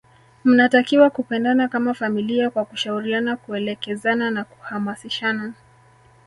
mnatakiwa kupendana kama familia kwa kushauriana kuelekezana na kuhamasishana